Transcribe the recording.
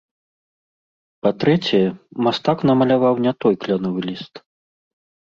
Па-трэцяе, мастак намаляваў не той кляновы ліст.